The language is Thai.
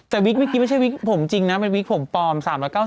แต่วิกไม่ใช่วิกผมจริงนะเป็นวิกผมปลอม๓๙๐บาท